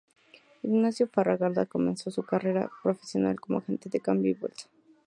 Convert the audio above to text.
Ignacio Garralda comenzó su carrera profesional como agente de cambio y bolsa.